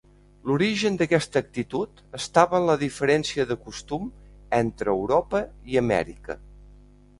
L'origen d'aquesta actitud estava en la diferència de costum entre Europa i Amèrica.